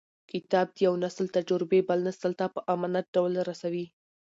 کتاب د یو نسل تجربې بل نسل ته په امانت ډول رسوي.